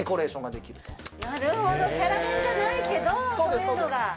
なるほどキャラ弁じゃないけどそういうのが。